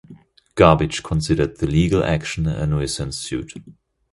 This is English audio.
Garbage considered the legal action a "nuisance suit".